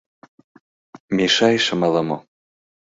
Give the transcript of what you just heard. — Мешайышым ала-мо...